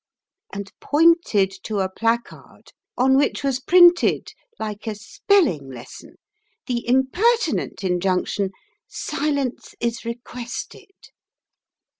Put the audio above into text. and pointed to a placard on which was printed, like a spelling lesson, the impertinent injunction "Silence is requested."